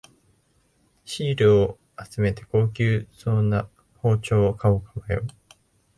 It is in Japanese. シールを集めて高級そうな包丁を買おうか迷う